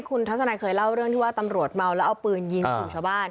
คุณทัศนัยเคยเล่าเรื่องที่ว่าตำรวจเมาแล้วเอาปืนยิงกลุ่มชาวบ้าน